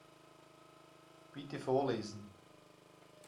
Bitte vorlesen.